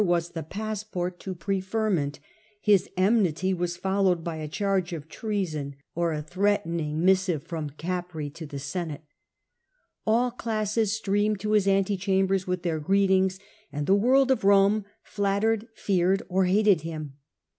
was the passport to preferment ; his enmity was followed by a charge of treason or a threatening A.D. 14 37* Tiberius, 63 missive from Capreae to the Senate. All classes streamed to his ante chambers with their greetings, and the world of Rome flattered, feared, or hated him.